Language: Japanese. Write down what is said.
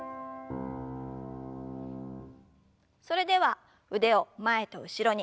それでは腕を前と後ろに。